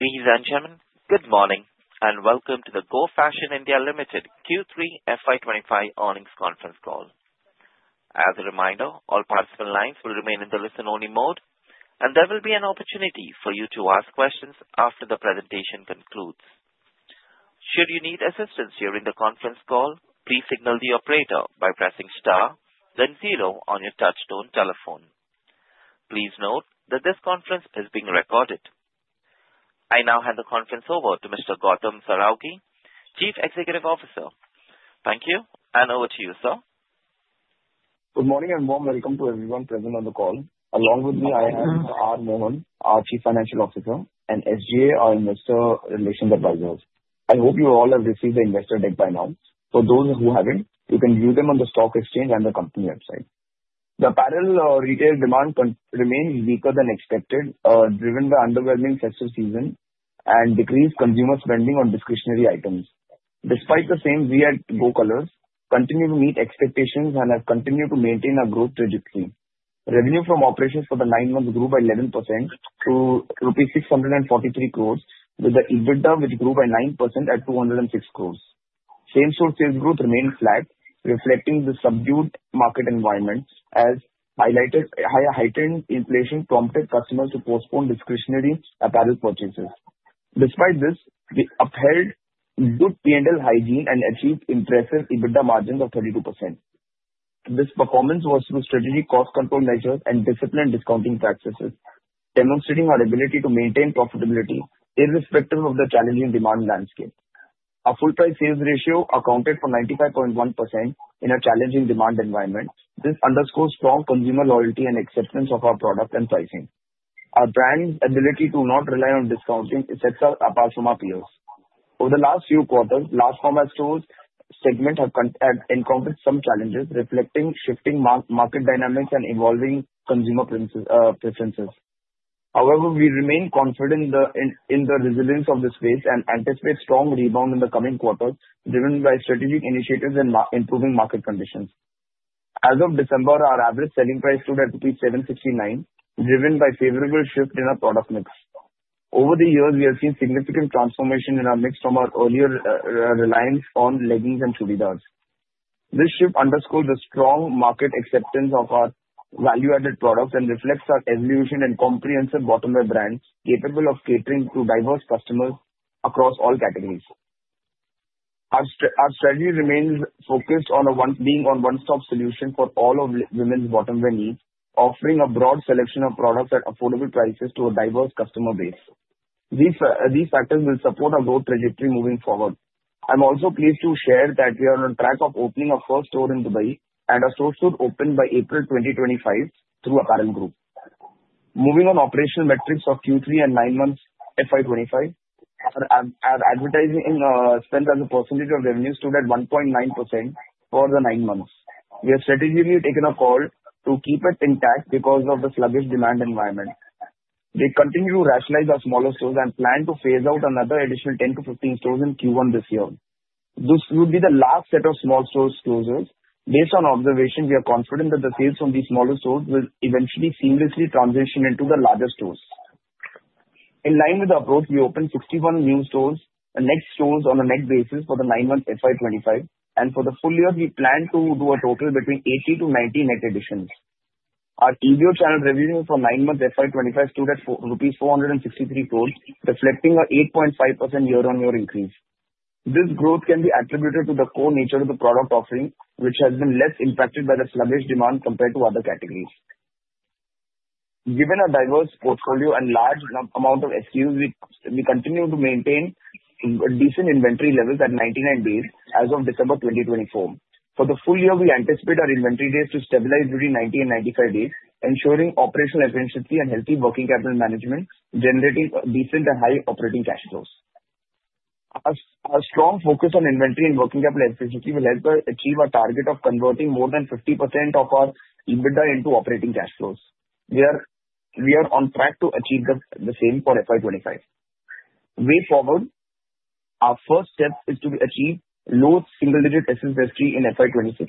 Ladies and gentlemen, good morning and welcome to the Go Fashion (India) Limited Q3 FY25 earnings conference call. As a reminder, all participant lines will remain in the listen-only mode, and there will be an opportunity for you to ask questions after the presentation concludes. Should you need assistance during the conference call, please signal the operator by pressing star, then zero on your touch-tone telephone. Please note that this conference is being recorded. I now hand the conference over to Mr. Gautam Saraogi, Chief Executive Officer. Thank you, and over to you, sir. Good morning and warm welcome to everyone present on the call. Along with me, I have Mr. R. Mohan, our Chief Financial Officer, and SGA, our Investor Relations Advisor. I hope you all have received the investor deck by now. For those who haven't, you can view them on the stock exchange and the company website. The apparel retail demand remains weaker than expected, driven by the underwhelming festive season and decreased consumer spending on discretionary items. Despite the same, we at Go Colors continue to meet expectations and have continued to maintain our growth trajectory. Revenue from operations for the nine months grew by 11% to rupees 643 crores, with the EBITDA which grew by 9% at 206 crores. Same-store sales growth remained flat, reflecting the subdued market environment, as highlighted heightened inflation prompted customers to postpone discretionary apparel purchases. Despite this, we upheld good P&L hygiene and achieved impressive EBITDA margins of 32%. This performance was through strategic cost control measures and disciplined discounting practices, demonstrating our ability to maintain profitability irrespective of the challenging demand landscape. Our full-price sales ratio accounted for 95.1% in a challenging demand environment. This underscores strong consumer loyalty and acceptance of our product and pricing. Our brand's ability to not rely on discounting sets us apart from our peers. Over the last few quarters, large format stores segment have encountered some challenges, reflecting shifting market dynamics and evolving consumer preferences. However, we remain confident in the resilience of the space and anticipate strong rebound in the coming quarters, driven by strategic initiatives and improving market conditions. As of December, our average selling price stood at rupees 769, driven by a favorable shift in our product mix. Over the years, we have seen significant transformation in our mix from our earlier reliance on leggings and churidars. This shift underscores the strong market acceptance of our value-added products and reflects our evolution and comprehensive bottom-wear brand capable of catering to diverse customers across all categories. Our strategy remains focused on being a one-stop solution for all of women's bottom-wear needs, offering a broad selection of products at affordable prices to a diverse customer base. These factors will support our growth trajectory moving forward. I'm also pleased to share that we are on track of opening our first store in Dubai, and our store should open by April 2025 through Apparel Group. Moving on, operational metrics of Q3 and nine months FY25 have advertising spend as a percentage of revenue stood at 1.9% for the nine months. We have strategically taken a call to keep it intact because of the sluggish demand environment. We continue to rationalize our smaller stores and plan to phase out another additional 10 to 15 stores in Q1 this year. This will be the last set of small stores closures. Based on observations, we are confident that the sales from these smaller stores will eventually seamlessly transition into the larger stores. In line with the approach, we opened 61 new stores and net stores on a net basis for the nine months FY25. And for the full year, we plan to do a total between 80 to 90 net additions. Our EBO channel revenue for nine months FY25 stood at rupees 463 crores, reflecting an 8.5% year-on-year increase. This growth can be attributed to the core nature of the product offering, which has been less impacted by the sluggish demand compared to other categories. Given our diverse portfolio and large amount of SKUs, we continue to maintain decent inventory levels at 99 days as of December 2024. For the full year, we anticipate our inventory days to stabilize between 90 and 95 days, ensuring operational efficiency and healthy working capital management, generating decent and high operating cash flows. Our strong focus on inventory and working capital efficiency will help us achieve our target of converting more than 50% of our EBITDA into operating cash flows. We are on track to achieve the same for FY25. Way forward, our first step is to achieve low single-digit SSSG in FY26.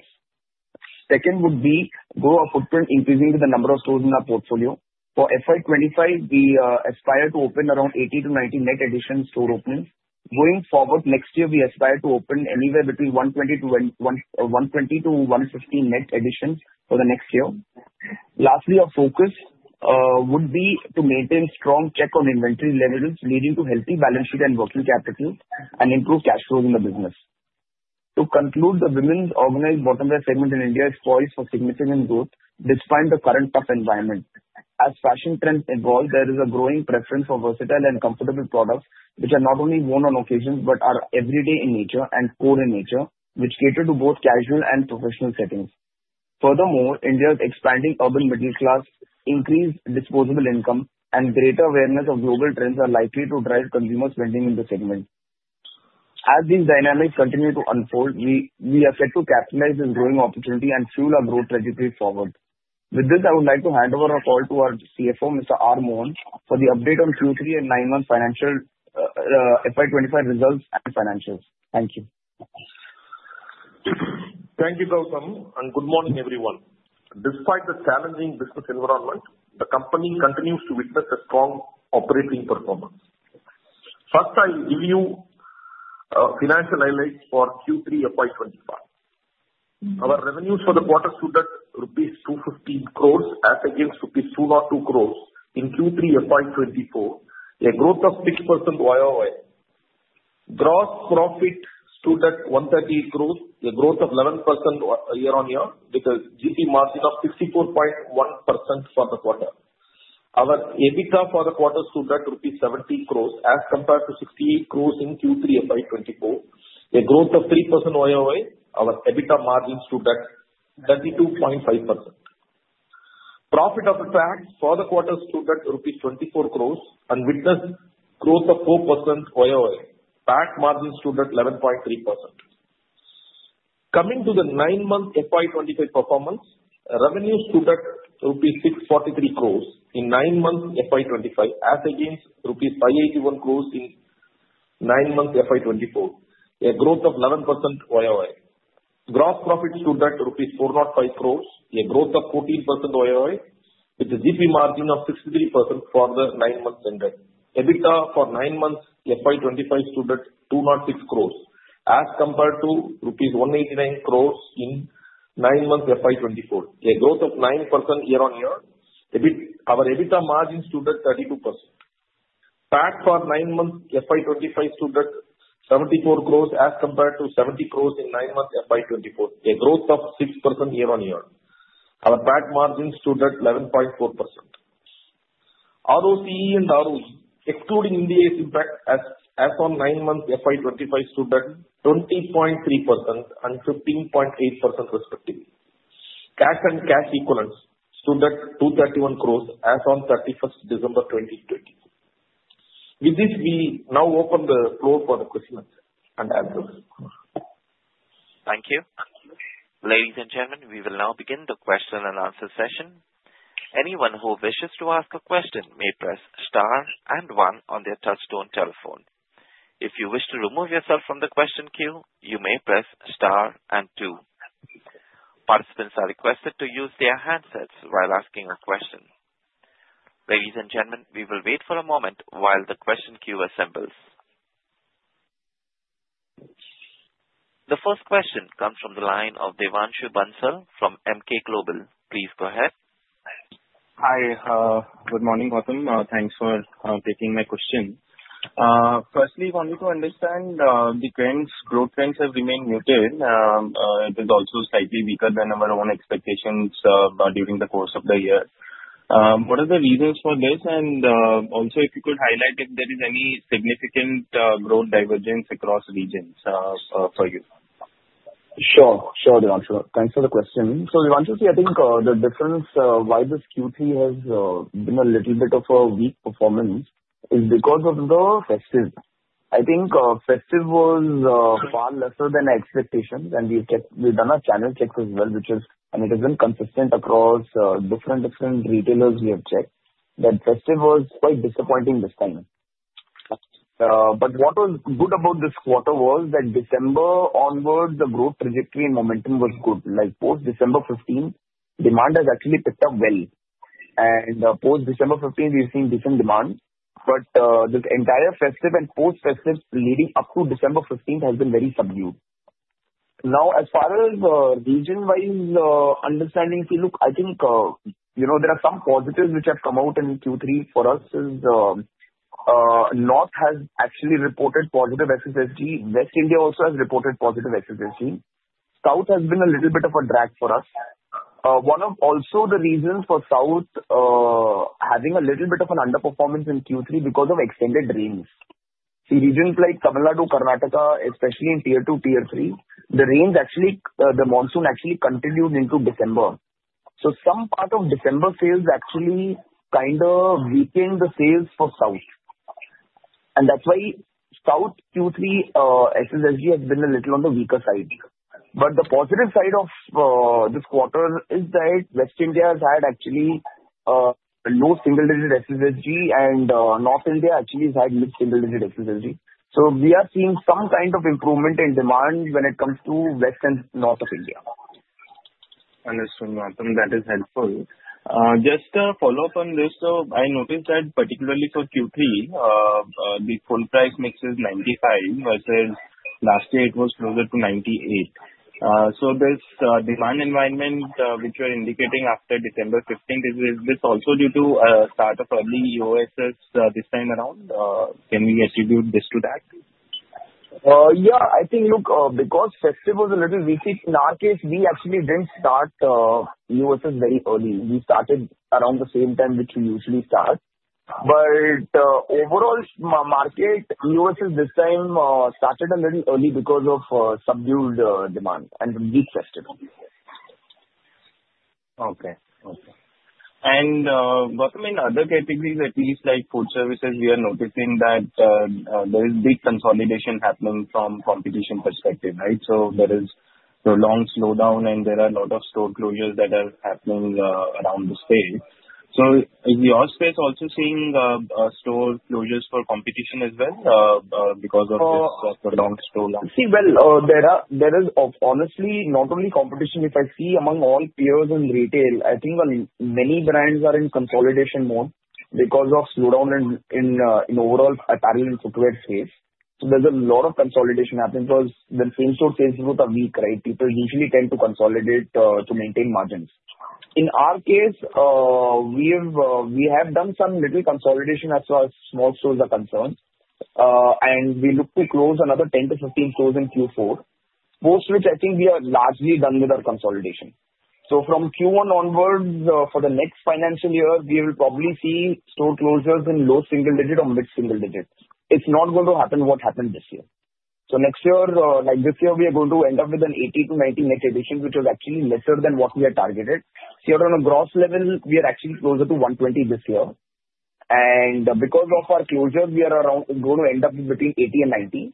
Second would be grow our footprint, increasing the number of stores in our portfolio. For FY25, we aspire to open around 80-90 net additions store openings. Going forward, next year, we aspire to open anywhere between 120-150 net additions for the next year. Lastly, our focus would be to maintain strong check on inventory levels, leading to healthy balance sheet and working capital and improved cash flows in the business. To conclude, the women's organized bottom-wear segment in India is poised for significant growth despite the current tough environment. As fashion trends evolve, there is a growing preference for versatile and comfortable products, which are not only worn on occasions but are everyday in nature and core in nature, which cater to both casual and professional settings. Furthermore, India's expanding urban middle class, increased disposable income, and greater awareness of global trends are likely to drive consumer spending in the segment. As these dynamics continue to unfold, we are set to capitalize this growing opportunity and fuel our growth trajectory forward. With this, I would like to hand over a call to our CFO, Mr. R. Mohan, for the update on Q3 and nine months financial FY25 results and financials. Thank you. Thank you, Gautam, and good morning, everyone. Despite the challenging business environment, the company continues to witness a strong operating performance. First, I will give you financial highlights for Q3 FY25. Our revenues for the quarter stood at rupees 250 crores as against rupees 202 crores in Q3 FY24, a growth of 6% YOY. Gross profit stood at 138 crores, a growth of 11% year-on-year, with a GP margin of 64.1% for the quarter. Our EBITDA for the quarter stood at INR 70 crores as compared to 68 crores in Q3 FY24, a growth of 3% YOY. Our EBITDA margin stood at 32.5%. PAT for the quarter stood at rupees 24 crores and witnessed growth of 4% YOY. PAT margin stood at 11.3%. Coming to the nine months FY25 performance, revenue stood at rupees 643 crores in nine months FY25 as against Rs. 581 crores in nine months FY24, a growth of 11% YOY. Gross profit stood at rupees 405 crores, a growth of 14% YOY, with a GP margin of 63% for the nine months ended. EBITDA for nine months FY25 stood at 206 crores as compared to rupees 189 crores in nine months FY24, a growth of 9% year-on-year. Our EBITDA margin stood at 32%. PAT for nine months FY25 stood at 74 crores as compared to 70 crores in nine months FY24, a growth of 6% year-on-year. Our PAT margin stood at 11.4%. ROCE and ROE, excluding Ind AS 116 impact, as on nine months FY25, stood at 20.3% and 15.8%, respectively. Cash and cash equivalents stood at 231 crores as on 31st December 2024. With this, we now open the floor for the questions and answers. Thank you. Ladies and gentlemen, we will now begin the question and answer session. Anyone who wishes to ask a question may press star and one on their touch-tone telephone. If you wish to remove yourself from the question queue, you may press star and two. Participants are requested to use their handsets while asking a question. Ladies and gentlemen, we will wait for a moment while the question queue assembles. The first question comes from the line of Devanshu Bansal from Emkay Global. Please go ahead. Hi, good morning, Gautam. Thanks for taking my question. Firstly, if only to understand, the growth trends have remained muted. It is also slightly weaker than our own expectations during the course of the year. What are the reasons for this? And also, if you could highlight if there is any significant growth divergence across regions for you? Sure, sure, Devanshu. Thanks for the question, so, Devanshu, I think the difference why this Q3 has been a little bit of a weak performance is because of the festive. I think festive was far lesser than expectations, and we've done our channel checks as well, which is, and it has been consistent across different retailers we have checked, that festive was quite disappointing this time, but what was good about this quarter was that December onwards, the growth trajectory and momentum was good. Like post-December 15th, demand has actually picked up well, and post-December 15th, we've seen decent demand, but the entire festive and post-festive, leading up to December 15th, has been very subdued. Now, as far as region-wise understanding, see, look, I think there are some positives which have come out in Q3 for us. North has actually reported positive SSSG. West India also has reported positive SSSG. South has been a little bit of a drag for us. One of also the reasons for South having a little bit of an underperformance in Q3 is because of extended rains. See, regions like Tamil Nadu, Karnataka, especially in tier two, tier three, the rains actually, the monsoon actually continued into December, so some part of December sales actually kind of weakened the sales for South, and that's why South Q3 SSSG has been a little on the weaker side, but the positive side of this quarter is that West India has had actually low single-digit SSSG, and North India actually has had mid-single-digit SSSG, so we are seeing some kind of improvement in demand when it comes to West and North of India. Understood, Gautam. That is helpful. Just a follow-up on this. So I noticed that particularly for Q3, the full price mix is 95% versus last year it was closer to 98%. So this demand environment which you are indicating after December 15th, is this also due to a start of early EOSS this time around? Can we attribute this to that? Yeah, I think, look, because festive was a little weak in our case, we actually didn't start EOSS very early. We started around the same time which we usually start. But overall market, EOSS this time started a little early because of subdued demand and weak festive. Okay, okay. And Gautam, in other categories, at least like food services, we are noticing that there is big consolidation happening from competition perspective, right? So there is a long slowdown, and there are a lot of store closures that are happening in the sector. So is your space also seeing store closures for competition as well because of this prolonged slowdown? See, well, there is honestly not only competition. If I see among all peers in retail, I think many brands are in consolidation mode because of slowdown in overall apparel and footwear space. So there's a lot of consolidation happening because the same store sales growth are weak, right? People usually tend to consolidate to maintain margins. In our case, we have done some little consolidation as far as small stores are concerned, and we look to close another 10-15 stores in Q4, post which I think we are largely done with our consolidation. So from Q1 onwards, for the next financial year, we will probably see store closures in low single-digit or mid-single-digit. It's not going to happen what happened this year. Next year, like this year, we are going to end up with an 80-90 net addition, which is actually lesser than what we had targeted. See, on a gross level, we are actually closer to 120 this year. Because of our closures, we are going to end up between 80 and 90.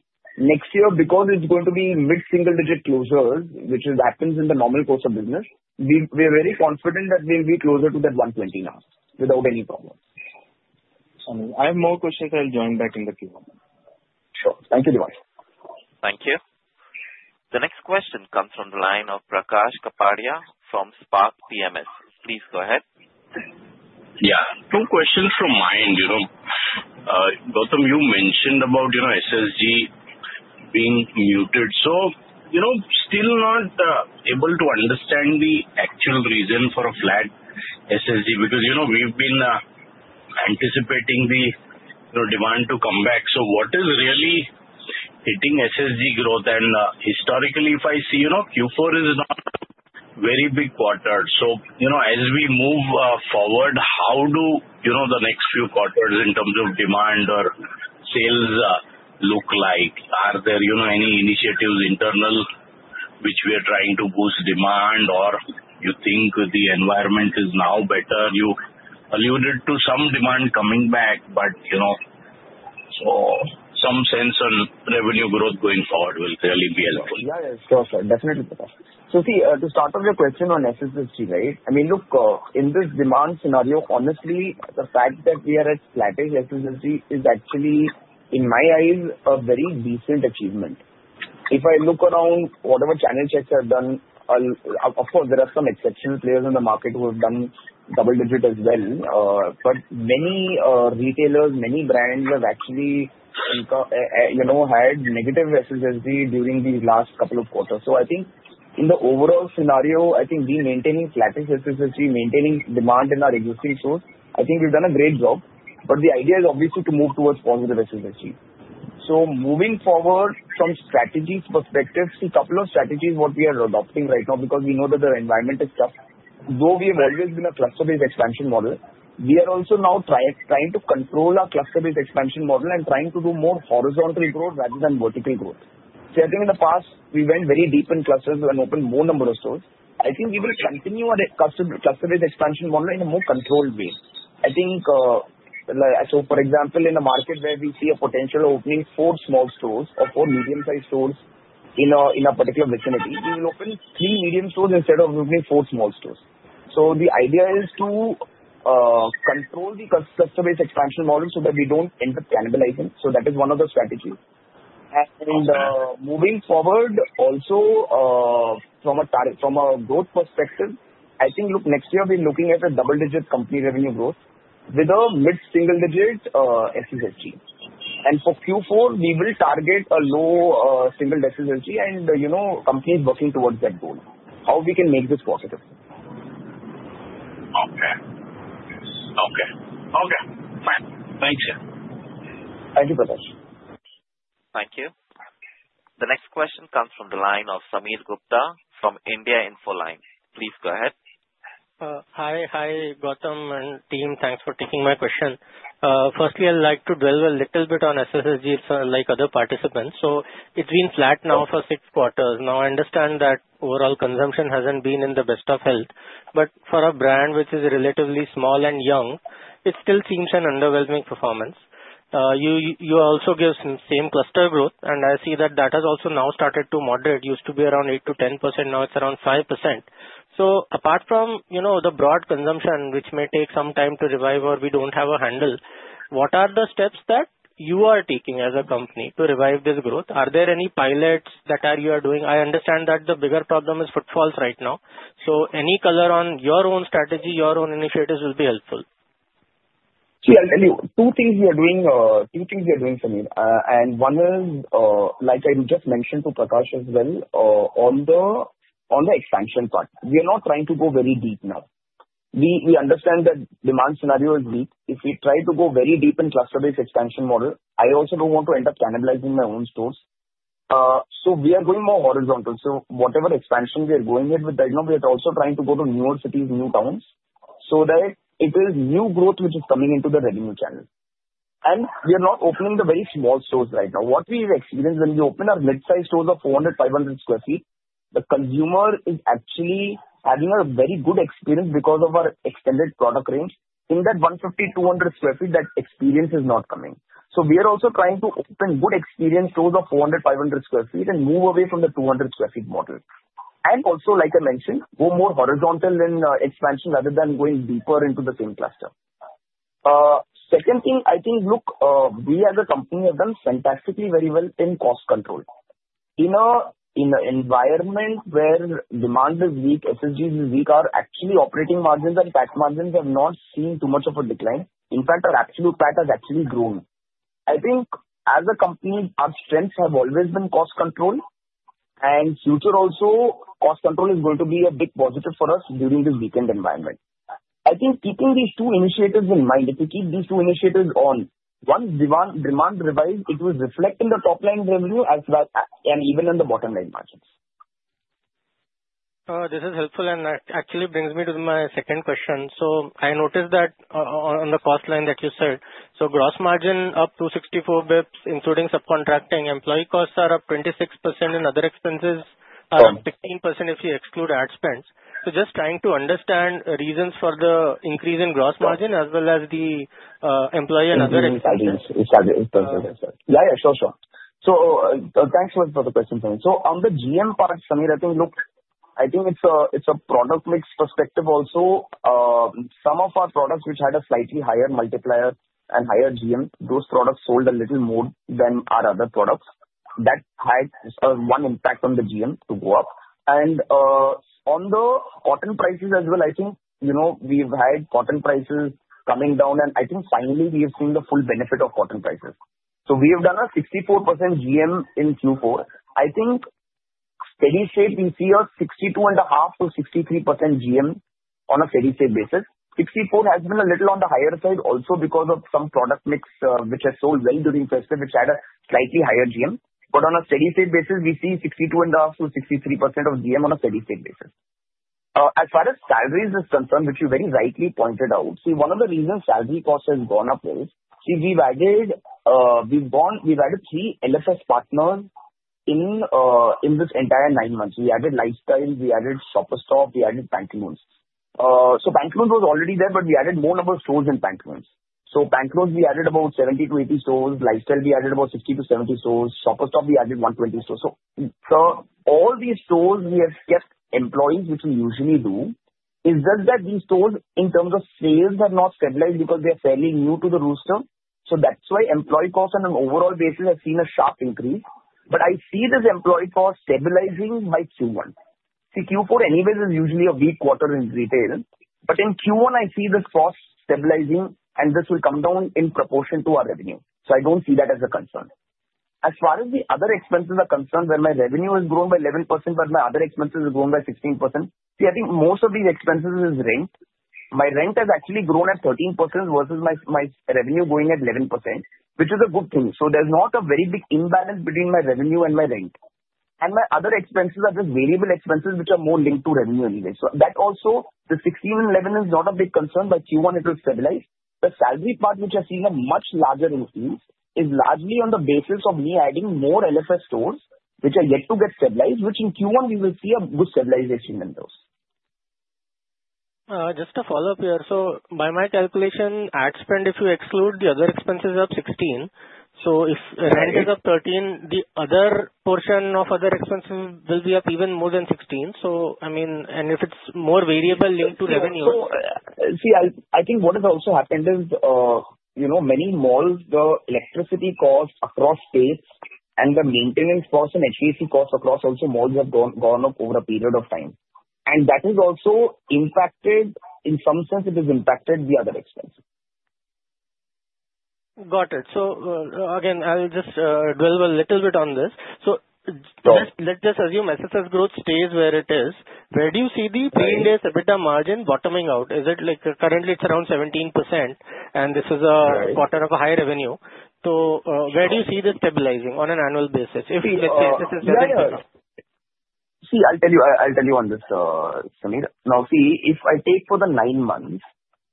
Next year, because it's going to be mid-single-digit closures, which happens in the normal course of business, we are very confident that we will be closer to that 120 now without any problem. I have more questions. I'll join back in the Q1. Sure. Thank you, Devanshu. Thank you. The next question comes from the line of Prakash Kapadia from Spark Private Wealth. Please go ahead. Yeah, two questions from my end. Gautam, you mentioned about SSSG being muted. So still not able to understand the actual reason for a flat SSSG because we've been anticipating the demand to come back. So what is really hitting SSSG growth? And historically, if I see Q4 is not a very big quarter. So as we move forward, how do the next few quarters in terms of demand or sales look like? Are there any initiatives internal which we are trying to boost demand, or you think the environment is now better? You alluded to some demand coming back, but some sense on revenue growth going forward will clearly be helpful. Yeah, yeah, sure. Definitely, Prakash. So see, to start off your question on SSSG, right? I mean, look, in this demand scenario, honestly, the fact that we are at flat SSSG is actually, in my eyes, a very decent achievement. If I look around, whatever channel checks I've done, of course, there are some exceptional players in the market who have done double-digit as well. But many retailers, many brands have actually had negative SSSG during these last couple of quarters. So I think in the overall scenario, I think we maintaining flat SSSG, maintaining demand in our existing stores, I think we've done a great job. But the idea is obviously to move towards positive SSSG. So moving forward from strategies perspective, see, a couple of strategies what we are adopting right now because we know that the environment is tough. Though we have always been a cluster-based expansion model, we are also now trying to control our cluster-based expansion model and trying to do more horizontal growth rather than vertical growth. See, I think in the past, we went very deep in clusters and opened more number of stores. I think we will continue our cluster-based expansion model in a more controlled way. I think, so for example, in a market where we see a potential opening four small stores or four medium-sized stores in a particular vicinity, we will open three medium stores instead of opening four small stores. So the idea is to control the cluster-based expansion model so that we don't end up cannibalizing. So that is one of the strategies. Moving forward, also from a growth perspective, I think, look, next year we're looking at a double-digit company revenue growth with a mid-single-digit SSSG. For Q4, we will target a low single-digit SSSG, and the company is working towards that goal. Now we can make this positive. Okay. Fine. Thanks, sir. Thank you, Prakash. Thank you. The next question comes from the line of Sameer Gupta from India Infoline. Please go ahead. Hi, hi, Gautam and team. Thanks for taking my question. Firstly, I'd like to dwell a little bit on SSSG like other participants. So it's been flat now for six quarters. Now, I understand that overall consumption hasn't been in the best of health. But for a brand which is relatively small and young, it still seems an underwhelming performance. You also give some same cluster growth, and I see that that has also now started to moderate. It used to be around 8%-10%. Now it's around 5%. So apart from the broad consumption, which may take some time to revive or we don't have a handle, what are the steps that you are taking as a company to revive this growth? Are there any pilots that you are doing? I understand that the bigger problem is footfalls right now. So any color on your own strategy, your own initiatives will be helpful. See, I'll tell you. Two things we are doing, two things we are doing, Sameer, and one is, like I just mentioned to Prakash as well, on the expansion part, we are not trying to go very deep now. We understand that demand scenario is weak. If we try to go very deep in cluster-based expansion model, I also don't want to end up cannibalizing my own stores, so we are going more horizontal, so whatever expansion we are going with, we are also trying to go to newer cities, new towns so that it is new growth which is coming into the revenue channel, and we are not opening the very small stores right now. What we have experienced when we open our mid-sized stores of 400 sq ft, 500 sq ft, the consumer is actually having a very good experience because of our extended product range. In that 150-200 sq ft, that experience is not coming. So we are also trying to open good experience stores of 400-500 sq ft and move away from the 200 sq ft model. And also, like I mentioned, go more horizontal in expansion rather than going deeper into the same cluster. Second thing, I think, look, we as a company have done fantastically very well in cost control. In an environment where demand is weak, SSG is weak, our actually operating margins and EBITDA margins have not seen too much of a decline. In fact, our absolute PAT has actually grown. I think as a company, our strengths have always been cost control. And future also, cost control is going to be a big positive for us during this weakened environment. I think keeping these two initiatives in mind, if we keep these two initiatives on, once demand revives, it will reflect in the top line revenue and even in the bottom line margins. This is helpful and actually brings me to my second question. So I noticed that on the cost line that you said, so gross margin up 264 basis points, including subcontracting. Employee costs are up 26% and other expenses are up 15% if you exclude ad spends. So just trying to understand reasons for the increase in gross margin as well as the employee and other expenses. It's perfect. Yeah, yeah, sure, sure. So thanks for the question, Sameer. So on the GM part, Sameer, I think, look, I think it's a product mix perspective also. Some of our products which had a slightly higher multiplier and higher GM, those products sold a little more than our other products. That had an impact on the GM to go up. And on the cotton prices as well, I think we've had cotton prices coming down, and I think finally we have seen the full benefit of cotton prices. So we have done a 64% GM in Q4. I think steady state, we see a 62.5%-63% GM on a steady state basis. 64 has been a little on the higher side also because of some product mix which has sold well during festive, which had a slightly higher GM. But on a steady state basis, we see 62.5%-63% of GM on a steady state basis. As far as salaries are concerned, which you very rightly pointed out, see, one of the reasons salary cost has gone up is, see, we've added three LFS partners in this entire nine months. We added Lifestyle, we added Shoppers Stop, we added Pantaloons. So Pantaloons was already there, but we added more number of stores in Pantaloons. So Pantaloons, we added about 70-80 stores. Lifestyle, we added about 60-70 stores. Shoppers Stop, we added 120 stores. So all these stores we have kept employees, which we usually do, is just that these stores in terms of sales are not stabilized because they are fairly new to the roster. So that's why employee cost on an overall basis has seen a sharp increase. But I see this employee cost stabilizing by Q1. See, Q4 anyways is usually a weak quarter in retail. But in Q1, I see this cost stabilizing, and this will come down in proportion to our revenue. So I don't see that as a concern. As far as the other expenses are concerned, where my revenue has grown by 11%, but my other expenses have grown by 16%. See, I think most of these expenses is rent. My rent has actually grown at 13% versus my revenue going at 11%, which is a good thing. So there's not a very big imbalance between my revenue and my rent. And my other expenses are just variable expenses, which are more linked to revenue anyway. So that also, the 16 and 11 is not a big concern, but Q1 it will stabilize. The SSSG part, which I see a much larger increase, is largely on the basis of me adding more LFS stores, which are yet to get stabilized, which in Q1 we will see a good stabilization in those. Just a follow-up here. So by my calculation, ad spend, if you exclude the other expenses, is up 16%. So if rent is up 13%, the other portion of other expenses will be up even more than 16%. So, I mean, and if it's more variable linked to revenue. See, I think what has also happened is many malls, the electricity cost across states and the maintenance cost and HVAC cost across also malls have gone up over a period of time, and that has also impacted, in some sense, it has impacted the other expenses. Got it. So again, I'll just dwell a little bit on this. So let's just assume SSS growth stays where it is. Where do you see the pre-Ind AS EBITDA margin bottoming out? Is it like currently it's around 17%, and this is a quarter of a high revenue. So where do you see this stabilizing on an annual basis? If, let's say, SSS doesn't pick up. See, I'll tell you on this, Sameer. Now, see, if I take for the nine months,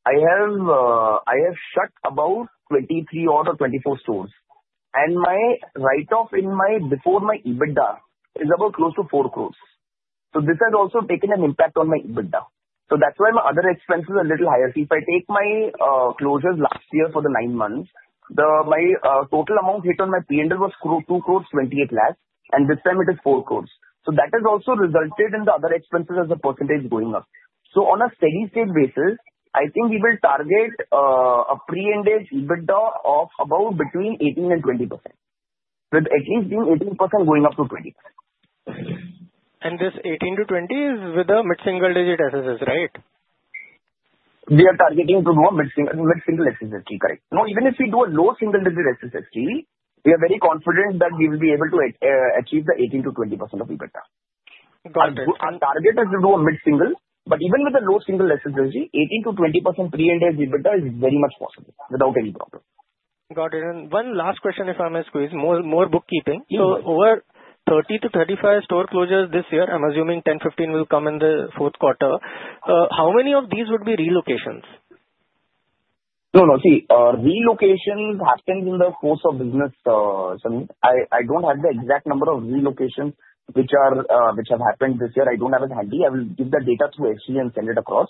I have shut about 23 or 24 stores. And my write-off on my Pre-Ind AS EBITDA is about close to 4 crore. So this has also taken an impact on my EBITDA. So that's why my other expenses are a little higher. See, if I take my closures last year for the nine months, my total amount hit on my Pre-Ind AS was 2 crore, 28 lakh. And this time it is 4 crore. So that has also resulted in the other expenses as a percentage going up. So on a steady state basis, I think we will target a Pre-Ind AS EBITDA of about between 18% and 20%, with at least being 18% going up to 20%. This 18-20 is with a mid-single-digit SSS, right? We are targeting to do a mid-single SSSG, correct. Now, even if we do a low single digit SSSG, we are very confident that we will be able to achieve the 18%-20% of EBITDA. Got it. Our target is to do a mid-single. But even with a low single SSSG, 18%-20% Pre-Ind AS EBITDA is very much possible without any problem. Got it. And one last question, if I may squeeze, more bookkeeping. So over 30-35 store closures this year, I'm assuming 10-15 will come in the fourth quarter. How many of these would be relocations? No, no. See, relocations happened in the course of business, Sameer. I don't have the exact number of relocations which have happened this year. I don't have it handy. I will give the data to SGA and send it across.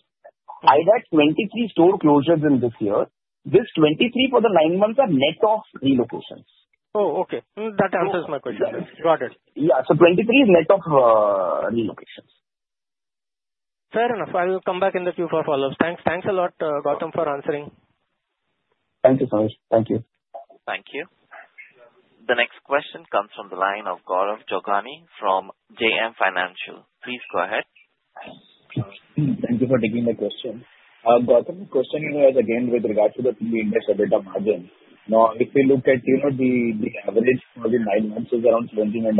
I had 23 store closures in this year. These 23 for the nine months are net of relocations. Oh, okay. That answers my question. Got it. Yeah. So 23 is net of relocations. Fair enough. I will come back in the Q4 follow-ups. Thanks. Thanks a lot, Gautam, for answering. Thank you, Sameer. Thank you. Thank you. The next question comes from the line of Gaurav Jogani from JM Financial. Please go ahead. Thank you for taking the question. Gautam, the question here is again with regard to the EBITDA margin. Now, if we look at the average for the nine months, it's around 17.5%.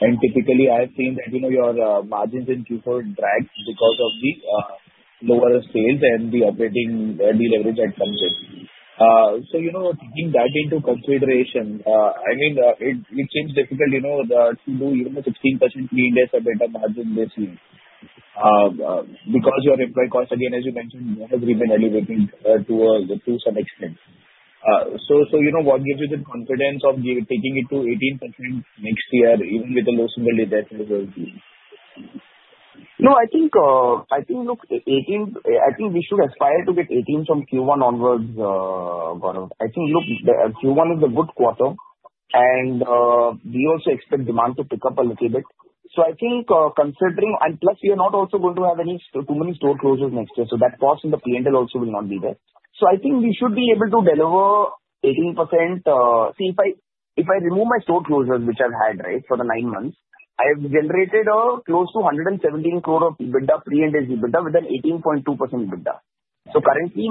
And typically, I have seen that your margins in Q4 dragged because of the lower sales and the operating deleverage at some stage. So taking that into consideration, I mean, it seems difficult to do 16% Pre-Ind AS EBITDA margin this year because your employee cost, again, as you mentioned, has remained elevated to some extent. So what gives you the confidence of taking it to 18% next year, even with a low single digit EBITDA? No, I think, look, I think we should aspire to get 18% from Q1 onwards, Gaurav. I think, look, Q1 is a good quarter, and we also expect demand to pick up a little bit. So I think considering, and plus, we are not also going to have too many store closures next year. So that cost in the Pre-Ind AS also will not be there. So I think we should be able to deliver 18%. See, if I remove my store closures, which I've had, right, for the nine months, I have generated close to 117 crore of EBITDA, Pre-Ind AS EBITDA with an 18.2% EBITDA. So currently,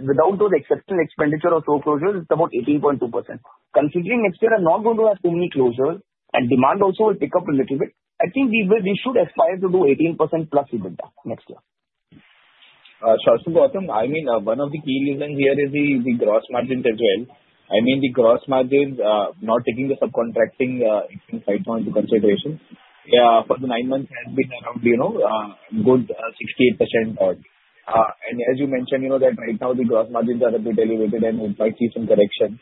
without those exceptional expenditure of store closures, it's about 18.2%. Considering next year, I'm not going to have too many closures, and demand also will pick up a little bit, I think we should aspire to do 18% plus EBITDA next year. Sure. So, Gautam, I mean, one of the key reasons here is the gross margins as well. I mean, the gross margins, not taking the subcontracting into consideration, for the nine months has been around good 68%. And as you mentioned, that right now the gross margins are a bit elevated, and we might see some correction.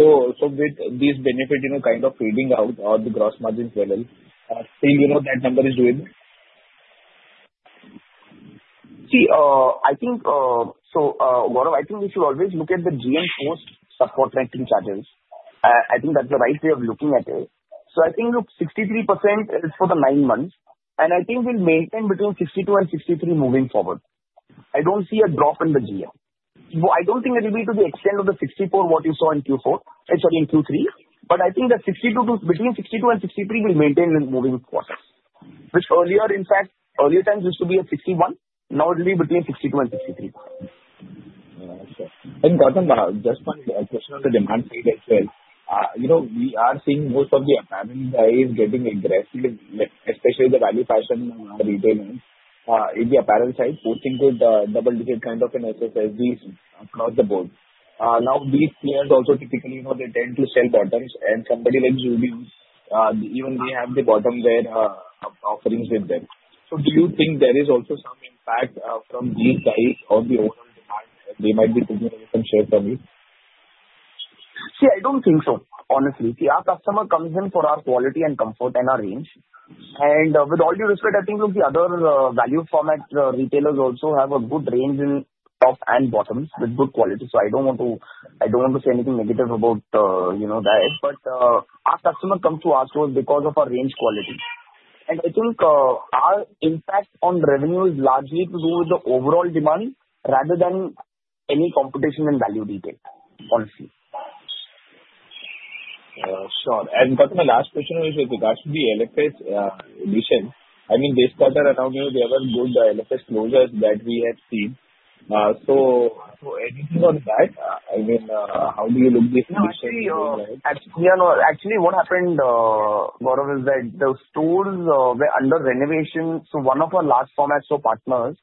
So with these benefits kind of fading out at the gross margins level, I feel that number is doing. See, I think, so Gaurav, I think we should always look at the GM post-subcontracting charges. I think that's the right way of looking at it. So I think, look, 63% is for the nine months, and I think we'll maintain between 62% and 63% moving forward. I don't see a drop in the GM. I don't think it will be to the extent of the 64% what you saw in Q4, sorry, in Q3. But I think that between 62% and 63% will maintain in moving quarters, which earlier, in fact, earlier times used to be at 61%. Now it will be between 62% and 63%. Gautam, just one question on the demand side as well. We are seeing most of the apparel guys getting aggressive, especially the value fashion retailers, in the apparel side, posting with double-digit kind of an SSSG across the board. Now, these players also typically, they tend to sell bottoms, and somebody like Zudio, even they have the bottom wear offerings with them. So do you think there is also some impact from these guys on the overall demand? They might be taking away some share from us. See, I don't think so, honestly. See, our customer comes in for our quality and comfort and our range. And with all due respect, I think the other Value Format retailers also have a good range in tops and bottoms with good quality. So I don't want to say anything negative about that. But our customer comes to our stores because of our range, quality. And I think our impact on revenue is largely to do with the overall demand rather than any competition in value retail, honestly. Sure. And Gautam, my last question is with regards to the LFS addition. I mean, this quarter around here, there were good LFS sales that we had seen. So anything on that? I mean, how do you look this addition? Actually, what happened, Gaurav, is that the stores were under renovation. So one of our large format store partners,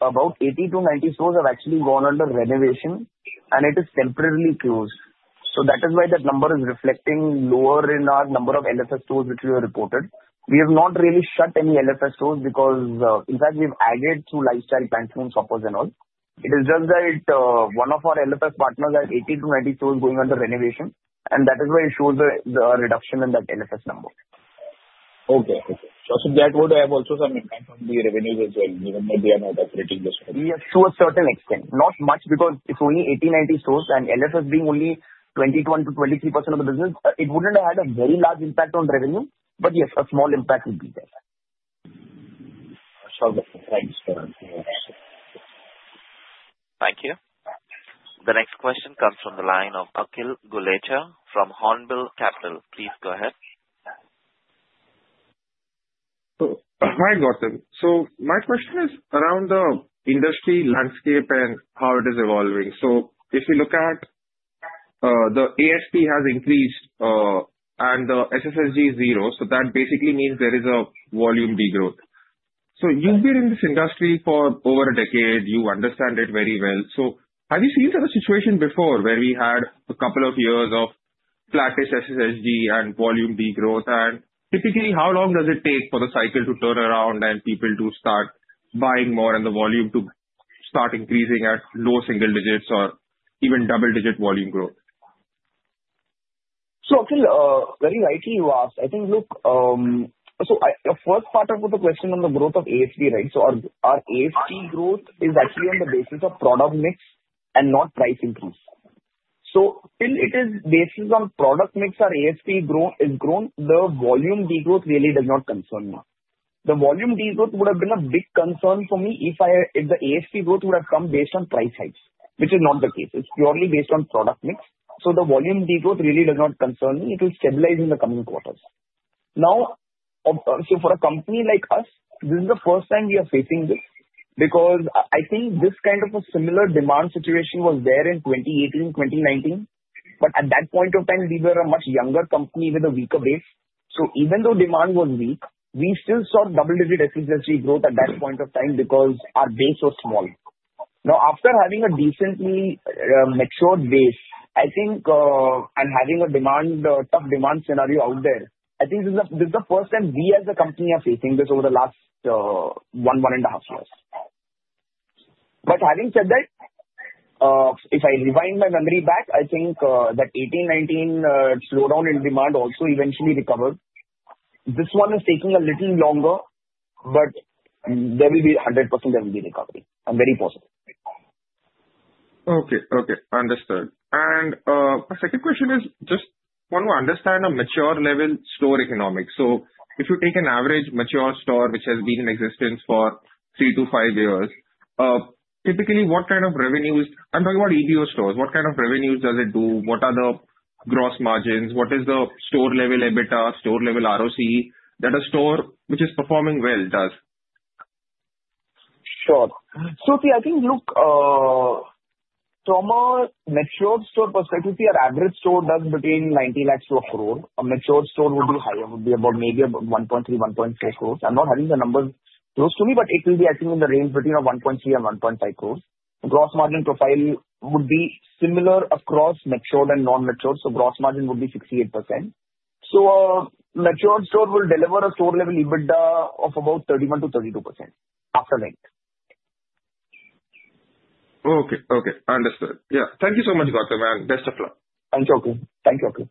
about 80-90 stores have actually gone under renovation, and it is temporarily closed. So that is why that number is reflecting lower in our number of LFS stores which we have reported. We have not really shut any LFS stores because, in fact, we've added through Lifestyle, Pantaloons, Shoppers and all. It is just that one of our LFS partners has 80-90 stores going under renovation, and that is why it shows a reduction in that LFS number. Okay. So that would have also some impact on the revenues as well, even though they are not operating this year. Yes, to a certain extent. Not much because it's only 80, 90 stores, and LFS being only 21%-23% of the business, it wouldn't have had a very large impact on revenue. But yes, a small impact would be there. Sure. Thanks. Thank you. The next question comes from the line of Akhil Gulla from Hornbill Capital. Please go ahead. Hi, Gautam. So my question is around the industry landscape and how it is evolving. So if you look at the ASP has increased and the SSSG is zero. So that basically means there is a volume degrowth. So you've been in this industry for over a decade. You understand it very well. So have you seen such a situation before where we had a couple of years of flattish SSSG and volume degrowth? And typically, how long does it take for the cycle to turn around and people to start buying more and the volume to start increasing at low single digits or even double-digit volume growth? So, Akhil, very rightly you asked. I think, look, so a first part of the question on the growth of ASP, right? So our ASP growth is actually on the basis of product mix and not price increase. So till it is based on product mix or ASP growth, the volume degrowth really does not concern me. The volume degrowth would have been a big concern for me if the ASP growth would have come based on price hikes, which is not the case. It's purely based on product mix. So the volume degrowth really does not concern me. It will stabilize in the coming quarters. Now, so for a company like us, this is the first time we are facing this because I think this kind of a similar demand situation was there in 2018, 2019. But at that point of time, we were a much younger company with a weaker base. So even though demand was weak, we still saw double-digit SSSG growth at that point of time because our base was small. Now, after having a decently matured base, I think, and having a tough demand scenario out there, I think this is the first time we as a company are facing this over the last one, one and a half years. But having said that, if I rewind my memory back, I think that 2018, 2019 slowdown in demand also eventually recovered. This one is taking a little longer, but there will be 100% recovery. I'm very positive. Okay. Okay. Understood. And my second question is, I just want to understand a mature-level store economics. So if you take an average mature store which has been in existence for three to five years, typically what kind of revenues? I'm talking about EBO stores. What kind of revenues does it do? What are the gross margins? What is the store-level EBITDA, store-level ROCE that a store which is performing well does? Sure. So see, I think, look, from a mature store perspective, see, an average store does between 19 lakhs to a crore. A mature store would be higher, would be about maybe 1.3-1.4 crores. I'm not having the numbers close to me, but it will be, I think, in the range between 1.3 and 1.5 crores. Gross margin profile would be similar across matured and non-matured. So gross margin would be 68%. So a matured store will deliver a store level EBITDA of about 31%-32% after rent. Okay. Okay. Understood. Yeah. Thank you so much, Gautam, and best of luck. Thank you, Akhil. Thank you, Akhil.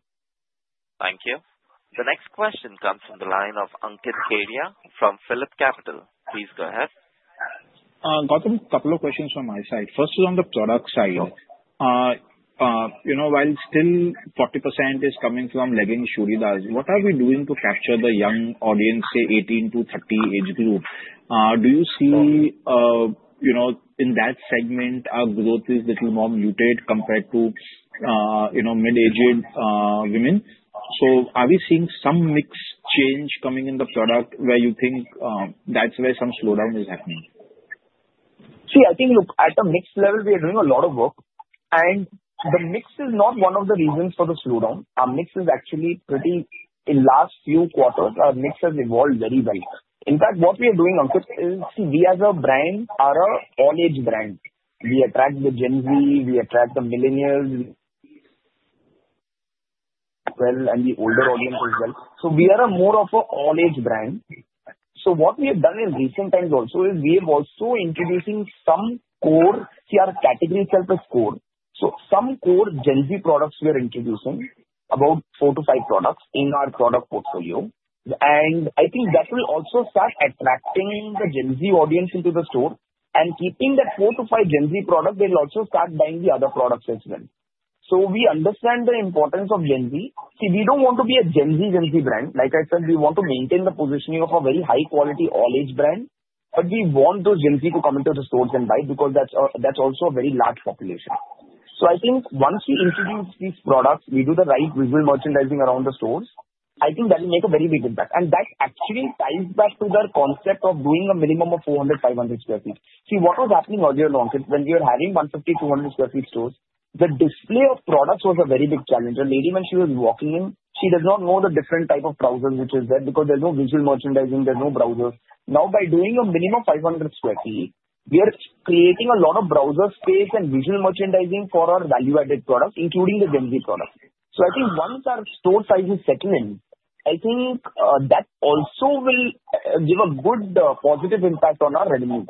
Thank you. The next question comes from the line of Ankit Kedia from PhillipCapital. Please go ahead. Gautam, a couple of questions from my side. First is on the product side. While still 40% is coming from leggings, churidars, what are we doing to capture the young audience, say, 18 to 30 age group? Do you see in that segment our growth is a little more muted compared to middle-aged women? So are we seeing some mix change coming in the product where you think that's where some slowdown is happening? See, I think, look, at a mix level, we are doing a lot of work, and the mix is not one of the reasons for the slowdown. Our mix is actually pretty in last few quarters, our mix has evolved very well. In fact, what we are doing, Ankit, is, we as a brand are an all-age brand. We attract the Gen Z. We attract the millennials as well and the older audience as well, so we are more of an all-age brand, so what we have done in recent times also is we have also introduced some core category silhouettes, so some core Gen Z products we are introducing, about four to five products in our product portfolio, and I think that will also start attracting the Gen Z audience into the store. Keeping that four to five Gen Z products, they will also start buying the other products as well. So we understand the importance of Gen Z. See, we don't want to be a Gen Z, Gen Z brand. Like I said, we want to maintain the positioning of a very high-quality all-age brand. But we want those Gen Z to come into the stores and buy because that's also a very large population. So I think once we introduce these products, we do the right visual merchandising around the stores, I think that will make a very big impact. And that actually ties back to the concept of doing a minimum of 400 sq ft, 500 sq ft. See, what was happening earlier on, Ankit, when we were having 150 sq ft, 200 sq ft stores, the display of products was a very big challenge. A lady, when she was walking in, she does not know the different type of trousers which is there because there's no visual merchandising, there's no trousers. Now, by doing a minimum of 500 sq ft, we are creating a lot of trouser space and visual merchandising for our value-added products, including the Gen Z products. So I think once our store size is settled in, I think that also will give a good positive impact on our revenue.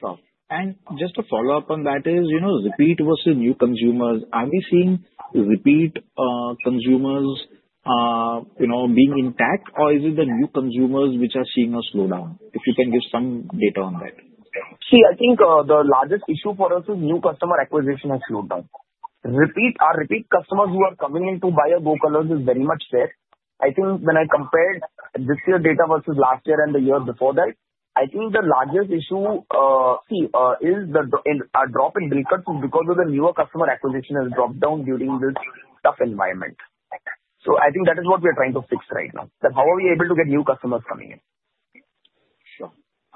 Sure. And just to follow up on that is repeat versus new consumers. Are we seeing repeat consumers being intact, or is it the new consumers which are seeing a slowdown? If you can give some data on that. See, I think the largest issue for us is new customer acquisition and slowdown. Our repeat customers who are coming in to buy our Go Colors is very much there. I think when I compared this year's data versus last year and the year before that, I think the largest issue, see, is our drop in bill count is because of the new customer acquisition has dropped down during this tough environment. So I think that is what we are trying to fix right now, that how are we able to get new customers coming in.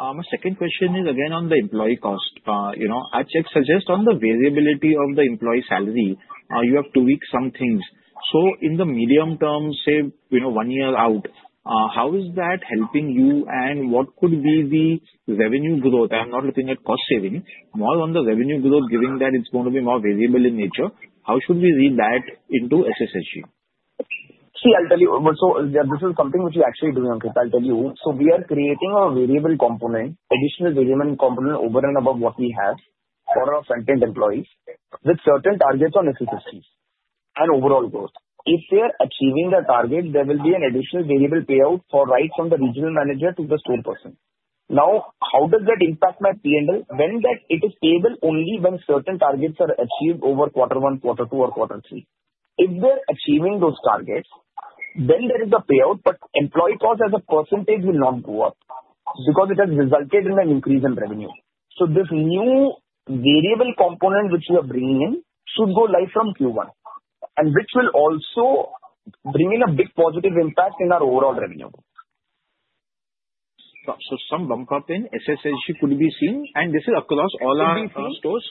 Sure. My second question is again on the employee cost. I checked the segment on the variability of the employee salary. You have two key components. So in the medium term, say one year out, how is that helping you and what could be the revenue growth? I'm not looking at cost saving. More on the revenue growth, given that it's going to be more variable in nature. How should we read that into SSSG? See, I'll tell you. So this is something which we actually do, Ankit. I'll tell you. So we are creating a variable component, additional variable component over and above what we have for our front-end employees with certain targets on SSSGs and overall growth. If they are achieving their target, there will be an additional variable payout right from the regional manager to the store person. Now, how does that impact my P&L when it is payable only when certain targets are achieved over quarter one, quarter two, or quarter three? If they're achieving those targets, then there is a payout, but employee cost as a percentage will not go up because it has resulted in an increase in revenue. So this new variable component which we are bringing in should go live from Q1, and which will also bring in a big positive impact in our overall revenue. So some bump-up in SSSG could be seen, and this is across all our stores?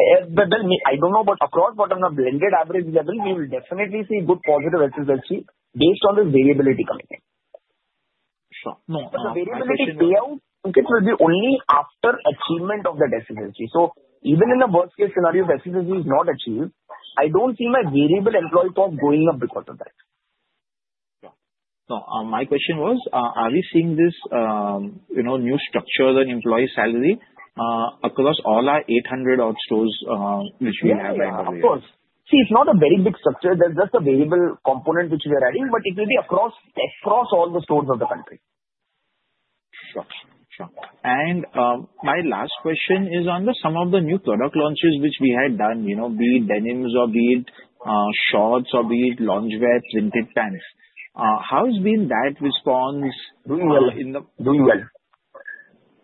I don't know, but across what on the blended average level, we will definitely see good positive SSSG based on the variability coming in. Sure. No, I appreciate that. But the variable payout, Ankit, will be only after achievement of that SSSG. So even in a worst-case scenario, if SSSG is not achieved, I don't see my variable employee cost going up because of that. Yeah. So my question was, are we seeing this new structure and employee salary across all our 800-odd stores which we have right now? Yeah, of course. See, it's not a very big structure. There's just a variable component which we are adding, but it will be across all the stores of the country. Sure. Sure. And my last question is on some of the new product launches which we had done, be it denims or be it shorts or be it lingerie, printed pants. How has been that response in the? Doing well.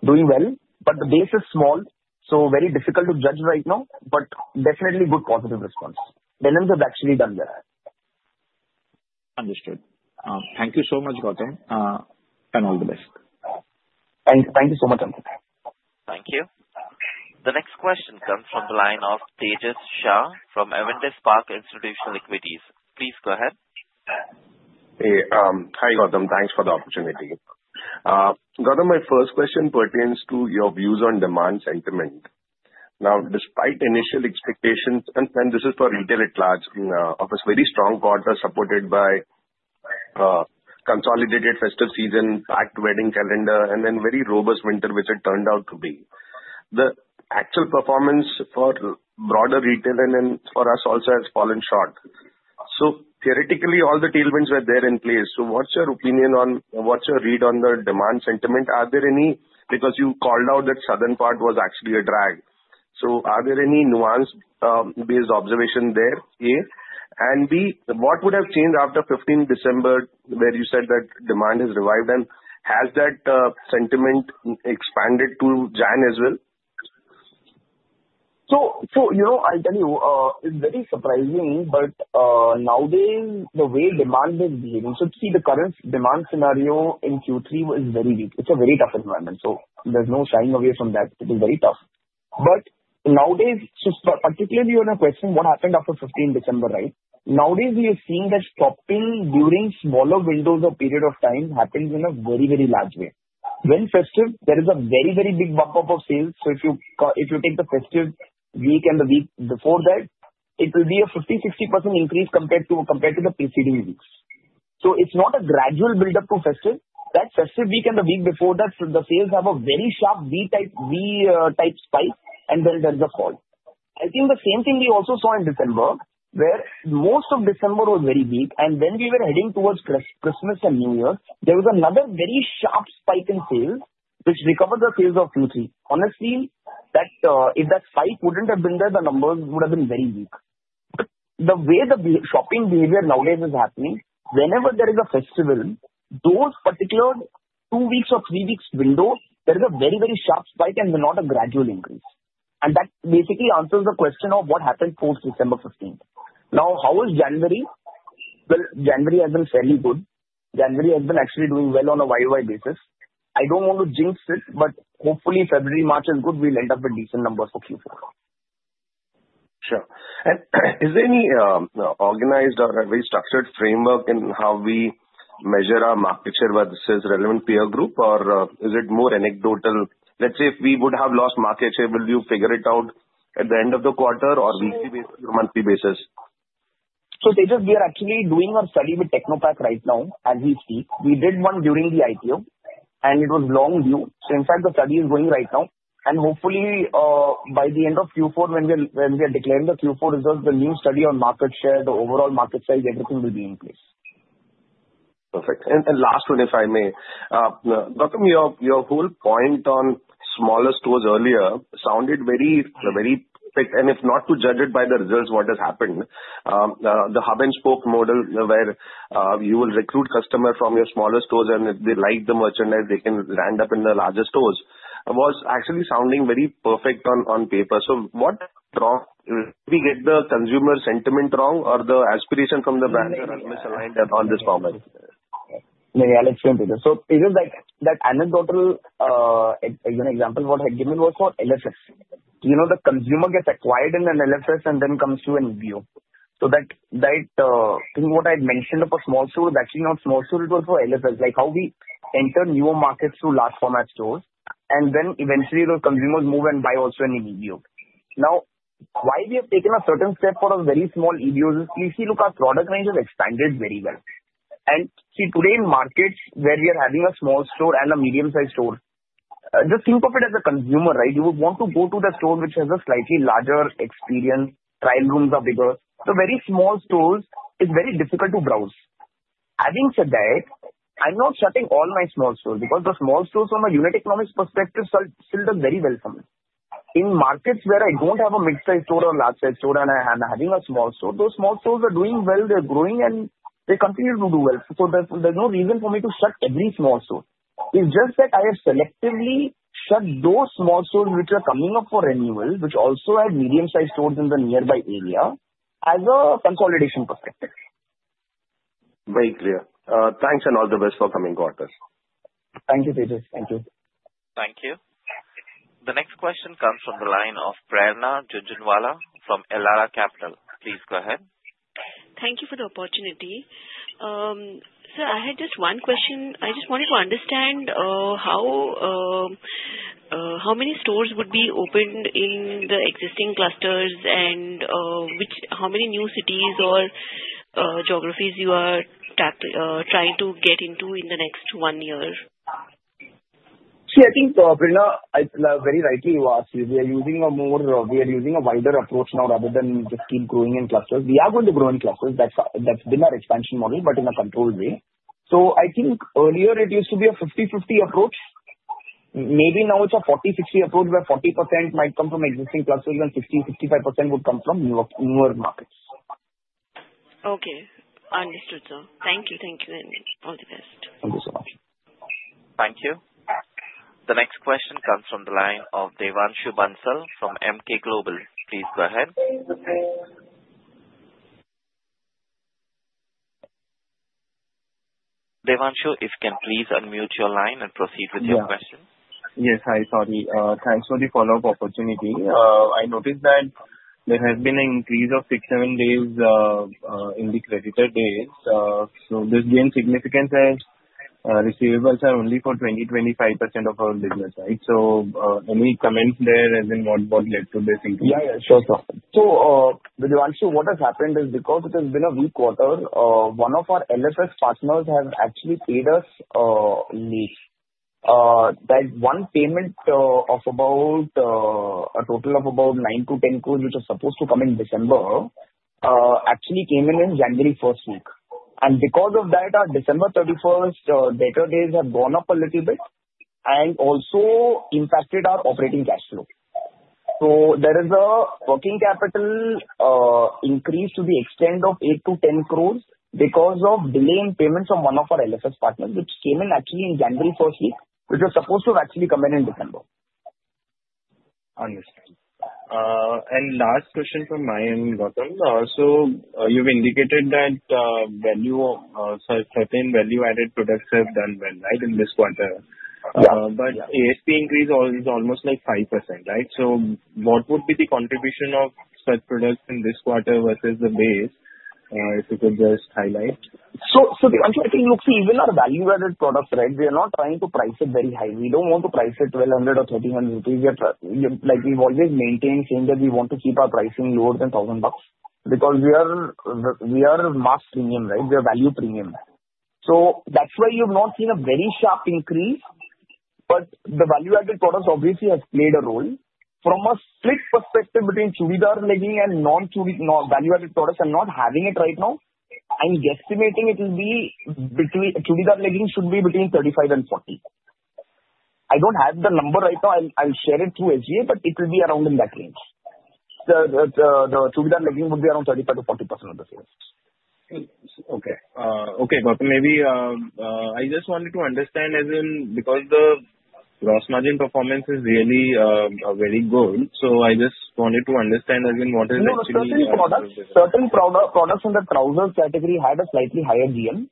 Doing well. But the base is small, so very difficult to judge right now, but definitely good positive response. Denims have actually done well. Understood. Thank you so much, Gautam, and all the best. Thank you so much, Ankit. Thank you. The next question comes from the line of Tejas Shah from Avendus Spark Institutional Equities. Please go ahead. Hey, hi Gautam. Thanks for the opportunity. Gautam, my first question pertains to your views on demand sentiment. Now, despite initial expectations, and this is for retail at large, for us, very strong quarters supported by consolidated festive season, packed wedding calendar, and then very robust winter, which it turned out to be. The actual performance for broader retail and then for us also has fallen short. So theoretically, all the tailwinds were there in place. So what's your opinion on what's your read on the demand sentiment? Are there any, because you called out that southern part was actually a drag. So are there any nuance-based observations there? A, and B, what would have changed after 15 December where you said that demand has revived? And has that sentiment expanded to Jan as well? So I'll tell you, it's very surprising, but nowadays, the way demand is behaving, so see, the current demand scenario in Q3 was very weak. It's a very tough environment. So there's no shying away from that. It is very tough. But nowadays, particularly on a question, what happened after 15 December, right? Nowadays, we are seeing that shopping during smaller windows or period of time happens in a very, very large way. When festive, there is a very, very big bump-up of sales. So if you take the festive week and the week before that, it will be a 50%-60% increase compared to the preceding weeks. So it's not a gradual build-up to festive. That festive week and the week before that, the sales have a very sharp V-type spike, and then there's a fall. I think the same thing we also saw in December, where most of December was very weak. And when we were heading towards Christmas and New Year, there was another very sharp spike in sales, which recovered the sales of Q3. Honestly, if that spike wouldn't have been there, the numbers would have been very weak. But the way the shopping behavior nowadays is happening, whenever there is a festival, those particular two weeks or three weeks window, there is a very, very sharp spike and not a gradual increase. And that basically answers the question of what happened post-December 15th. Now, how is January? Well, January has been fairly good. January has been actually doing well on a YOY basis. I don't want to jinx it, but hopefully February, March is good. We'll end up with decent numbers for Q4. Sure. And is there any organized or very structured framework in how we measure our market share versus relevant peer group, or is it more anecdotal? Let's say if we would have lost market share, will you figure it out at the end of the quarter or weekly basis or monthly basis? So Tejas, we are actually doing our study with Technopak right now as we speak. We did one during the IPO, and it was long view. So in fact, the study is going right now. And hopefully, by the end of Q4, when we are declaring the Q4 results, the new study on market share, the overall market size, everything will be in place. Perfect. And last one, if I may. Gautam, your whole point on smaller stores earlier sounded very perfect. And if not to judge it by the results, what has happened, the hub-and-spoke model where you will recruit customers from your smaller stores and if they like the merchandise, they can land up in the larger stores was actually sounding very perfect on paper. So did we get the consumer sentiment wrong or the aspiration from the brand misaligned on this moment? No, I'll explain later. So Tejas, that anecdotal example what I had given was for LFS. The consumer gets acquired in an LFS and then comes to EBO. So that thing what I had mentioned of a small store was actually not small store. It was for LFS, like how we enter newer markets through large-format stores. And then eventually, those consumers move and buy also an EBO. Now, why we have taken a certain step for a very small EBO is, if you look, our product range has expanded very well. And see, today in markets where we are having a small store and a medium-sized store, just think of it as a consumer, right? You would want to go to the store which has a slightly larger experience, trial rooms are bigger. So very small stores is very difficult to browse. Having said that, I'm not shutting all my small stores because the small stores from a unit economics perspective still do very well for me. In markets where I don't have a mid-sized store or large-sized store and I'm having a small store, those small stores are doing well. They're growing and they continue to do well. So there's no reason for me to shut every small store. It's just that I have selectively shut those small stores which are coming up for renewal, which also have medium-sized stores in the nearby area as a consolidation perspective. Very clear. Thanks and all the best for coming, Gautam. Thank you, Tejas. Thank you. Thank you. The next question comes from the line of Prerna Jhunjhunwala from Elara Capital. Please go ahead. Thank you for the opportunity. Sir, I had just one question. I just wanted to understand how many stores would be opened in the existing clusters and how many new cities or geographies you are trying to get into in the next one year? See, I think, Prerna, very rightly you asked. We are using a wider approach now rather than just keep growing in clusters. We are going to grow in clusters. That's been our expansion model, but in a controlled way. So I think earlier, it used to be a 50-50 approach. Maybe now it's a 40-60 approach where 40% might come from existing clusters and 50%-65% would come from newer markets. Okay. Understood, sir. Thank you. Thank you very much. All the best. Thank you so much. Thank you. The next question comes from the line of Devanshu Bansal from Emkay Global. Please go ahead. Devanshu, if you can please unmute your line and proceed with your question. Yes. Hi, sorry. Thanks for the follow-up opportunity. I noticed that there has been an increase of six, seven days in the credit days. So this gained significance as receivables are only for 20%-25% of our business, right? So any comments there as in what led to this increase? Yeah, yeah. Sure, sir. So Devanshu, what has happened is because it has been a weak quarter, one of our LFS partners has actually paid us late. That one payment of about a total of about 9-10 crore, which was supposed to come in December, actually came in in January first week. And because of that, our December 31st DSO have gone up a little bit and also impacted our operating cash flow. So there is a working capital increase to the extent of 8-10 crore because of delay in payment from one of our LFS partners, which came in actually in January first week, which was supposed to have actually come in in December. Understood. And last question from my end, Gautam. So you've indicated that certain value-added products have done well, right, in this quarter. But ASP increase is almost like 5%, right? So what would be the contribution of such products in this quarter versus the base if you could just highlight? So I think, look, see, even our value-added products, right, we are not trying to price it very high. We don't want to price it 1,200 or 1,300 rupees. We've always maintained saying that we want to keep our pricing lower than INR 1,000 because we are mass premium, right? We are value premium. So that's why you've not seen a very sharp increase. But the value-added products obviously have played a role. From a split perspective between churidar legging and non-value-added products and not having it right now, I'm guesstimating it will be churidar legging should be between 35 and 40. I don't have the number right now. I'll share it through SGA, but it will be around in that range. The churidar legging would be around 35%-40% of the sales. Okay. Okay, Gautam, maybe I just wanted to understand as in because the gross margin performance is really very good. So I just wanted to understand as in what is actually the impact? Certain products in the trousers category had a slightly higher GM,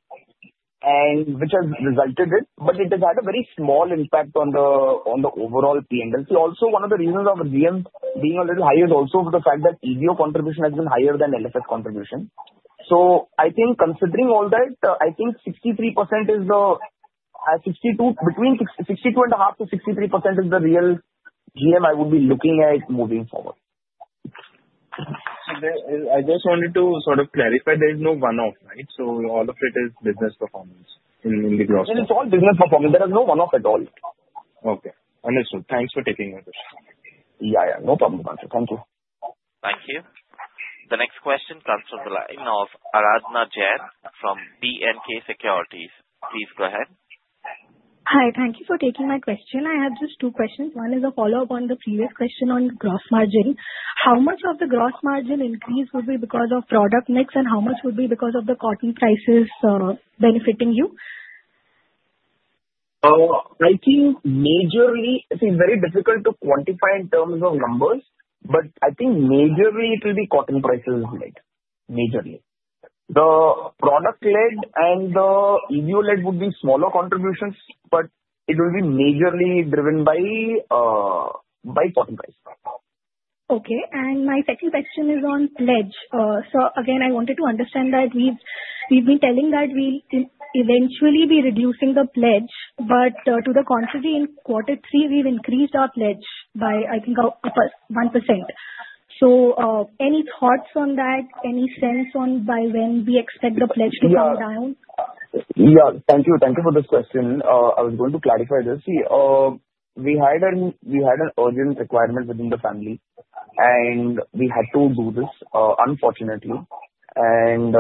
which has resulted in, but it has had a very small impact on the overall P&L. See, also one of the reasons of GM being a little higher is also the fact that EBO contribution has been higher than LFS contribution. So I think considering all that, I think 63% is the between 62.5% to 63% is the real GM I would be looking at moving forward. So I just wanted to sort of clarify. There is no one-off, right? So all of it is business performance in the gross margin? It's all business performance. There is no one-off at all. Okay. Understood. Thanks for taking my question. Yeah, yeah. No problem, Gautam. Thank you. Thank you. The next question comes from the line of Aradhana Jain from B&K Securities. Please go ahead. Hi. Thank you for taking my question. I have just two questions. One is a follow-up on the previous question on gross margin. How much of the gross margin increase will be because of product mix and how much will be because of the cotton prices benefiting you? I think majorly, it is very difficult to quantify in terms of numbers, but I think majorly it will be cotton prices led. Majorly. The product-led and the EBO-led would be smaller contributions, but it will be majorly driven by cotton prices. Okay. And my second question is on pledge. So again, I wanted to understand that we've been telling that we'll eventually be reducing the pledge, but to the contrary, in quarter three, we've increased our pledge by, I think, 1%. So any thoughts on that? Any sense on by when we expect the pledge to come down? Yeah. Thank you. Thank you for this question. I was going to clarify this. See, we had an urgent requirement within the family, and we had to do this, unfortunately, and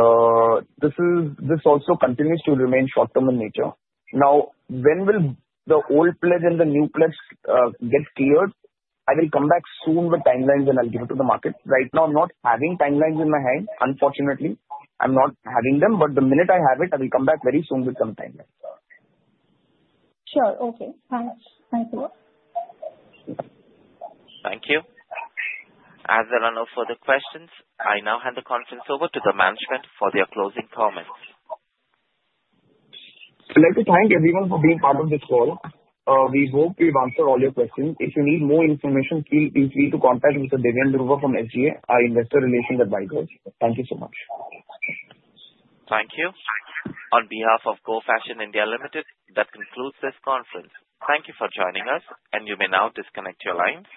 this also continues to remain short-term in nature. Now, when will the old pledge and the new pledge get cleared? I will come back soon with timelines, and I'll give it to the market. Right now, I'm not having timelines in my hand, unfortunately. I'm not having them, but the minute I have it, I will come back very soon with some timelines. Sure. Okay. Thanks. Thank you. Thank you. As there are no further questions, I now hand the conference over to the management for their closing comments. I'd like to thank everyone for being part of this call. We hope we've answered all your questions. If you need more information, please feel free to contact Mr. Deven Dhruva from SGA, our investor relations advisor. Thank you so much. Thank you. On behalf of Go Fashion (India) Limited, that concludes this conference. Thank you for joining us, and you may now disconnect your lines.